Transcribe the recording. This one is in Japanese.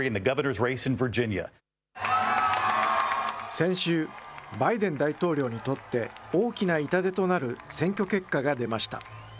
先週、バイデン大統領にとって、大きな痛手となる選挙結果が出ました。